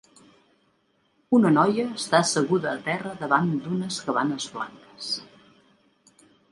Una noia està asseguda a terra davant d'unes cabanes blanques